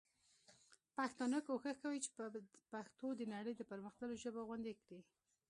پښتانه کوښښ کوي چي پښتو د نړۍ د پر مختللو ژبو غوندي کړي.